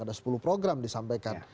ada sepuluh program disampaikan